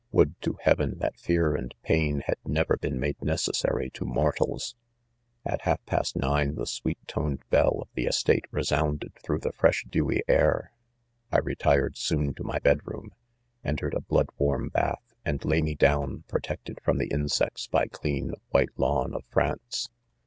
Would to heaven that fear and pain had .never been made necessary to mortals 1 ■.:.. ^Athalf^a^ estate resounded through the fresh, dewy air; I retired soontomy |^d roQm v entered& blood warm bath, , and lay me down, protected' from the injects by cleari ^rhite lawn of France.